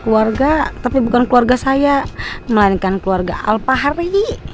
keluarga tapi bukan keluarga saya melainkan keluarga alpahari